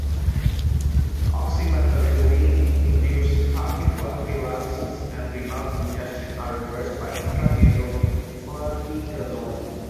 Oxymetazoline-induced tachyphylaxis and rebound congestion are reversed by intranasal fluticasone.